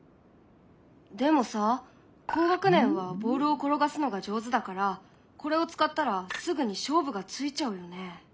でもさ高学年はボールを転がすのが上手だからこれを使ったらすぐに勝負がついちゃうよね？